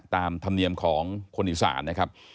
ตามธรรมเนียมของคนอีสานนะครับ